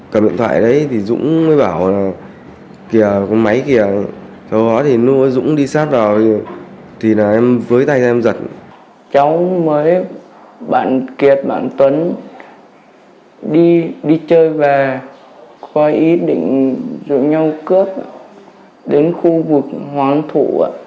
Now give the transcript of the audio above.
cháu mới bạn kiệt bạn tuấn đi chơi và qua ý định giữ nhau cướp đến khu vực hoàng thủ